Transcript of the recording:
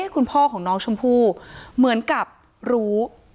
คุณพ่อของน้องชมพู่เหมือนกับรู้